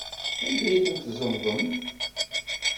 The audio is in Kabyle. Anda ay ten-tzemḍem?